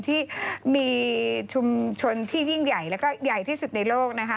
ที่มีชุมชนที่ยิ่งใหญ่แล้วก็ใหญ่ที่สุดในโลกนะคะ